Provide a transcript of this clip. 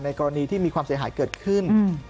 กรณีที่มีความเสียหายเกิดขึ้น